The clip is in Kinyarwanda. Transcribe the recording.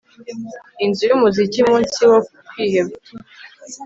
inzu yumuziki munsi yo kwiheba